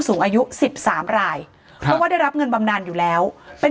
สูงอายุสิบสามรายเพราะว่าได้รับเงินบำนานอยู่แล้วเป็น